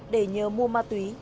để nhớ mua ma túy